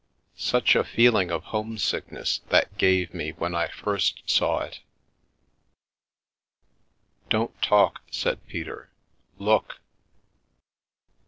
Such a feeling of home sickness that gave me when I first saw it." " Don't talk," said Peter. " Look."